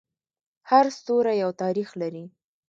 هر ستوری یو تاریخ لري.